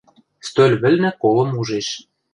Стӧл вӹлнӹ колым ужеш.